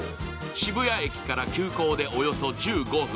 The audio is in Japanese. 渋谷駅から急行でおよそ１５分。